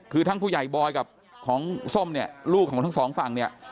คือทั้งผู้ใหญ่บอยกับของส้มเนี่ยลูกของทั้งสองฝั่งเนี่ย